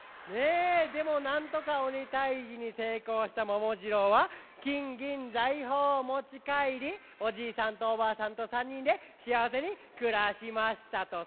でもなんとかおにたいじにせいこうしたももじろうはきんぎんざいほうをもちかえりおじいさんとおばあさんと３にんでしあわせにくらしましたとさ。